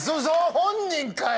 本人かい！